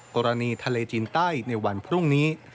กรณีทะเลจีนใต้ในวันพรุ่งนี้